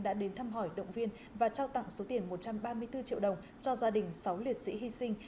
đã đến thăm hỏi động viên và trao tặng số tiền một trăm ba mươi bốn triệu đồng cho gia đình sáu liệt sĩ hy sinh